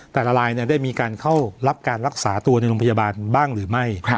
แต่ละลายได้มีการเข้ารับการรักษาตัวในโรงพยาบาลบ้างหรือไม่